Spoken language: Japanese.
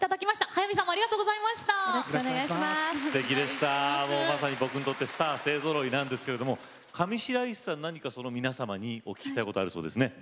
早見優さんも僕にとってスター勢ぞろいですが上白石さん皆さんにお聞きしたいことがあるそうですね。